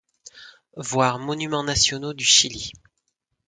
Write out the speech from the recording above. Voir Monuments nationaux du Chili.